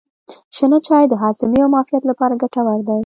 شنه چای د هاضمې او معافیت لپاره ګټور دی.